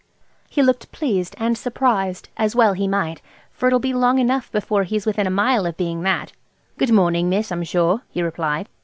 He looked pleased and surprised, as well he might, for it'll be long enough before he's within a mile of being that. "Good morning, miss, I'm sure," he replied.